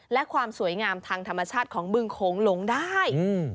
และความสวยงามทางธรรมชาติของบึงโขงหลงได้